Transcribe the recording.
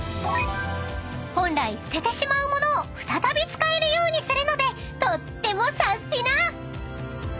［本来捨ててしまう物を再び使えるようにするのでとってもサスティな！］